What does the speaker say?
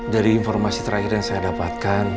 dari informasi terakhir yang saya dapatkan